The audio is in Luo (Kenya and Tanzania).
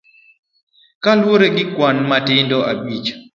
Kaluwore gi kwan matindo abich.